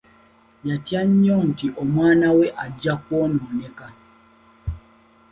Yatya nnyo nti omwana we ajja kwonooneka.